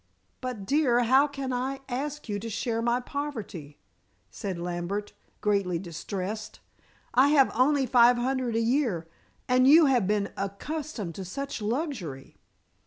"But, dear, how can I ask you to share my poverty?" said Lambert, greatly distressed. "I have only five hundred a year, and you have been accustomed to such luxury."